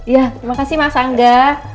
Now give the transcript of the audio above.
ya terima kasih mas angga